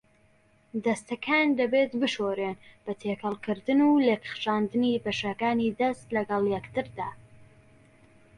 دەستەکان دەبێت بشورێن بە تێکەڵکردن و لێکخشاندنی بەشەکانی دەست لەگەڵ یەکتردا.